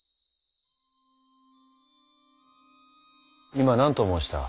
今何と申した？